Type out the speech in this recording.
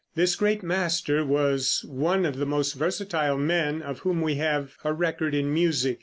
This great master was one of the most versatile men of whom we have a record in music.